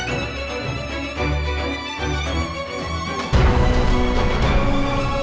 aku mau ke sana